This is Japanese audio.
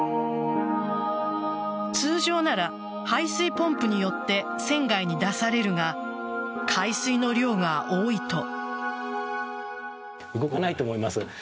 通常なら排水ポンプによって船外に出されるが海水の量が多いと。